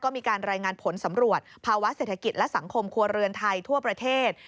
มีการรายงานผลสำรวจภาวะเศรษฐกิจและสังคมครัวเรือนไทยทั่วประเทศ